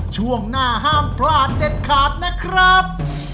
ช่วงหน้าห้ามพลาดเด็ดขาดนะครับ